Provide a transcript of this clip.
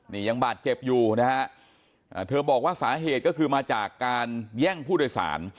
นี่ยังบาดเจ็บอยู่นะฮะเธอบอกว่าสาเหตุก็คือมาจากการแย่งผู้โดยสาร